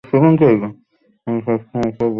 আমার সবসময় এসব রং তামাশা পছন্দ না।